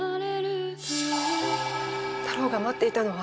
タローが待っていたのは。